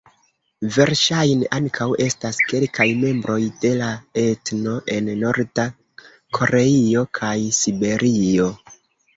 Verŝajne ankaŭ estas kelkaj membroj de la etno en Norda Koreio kaj Siberio.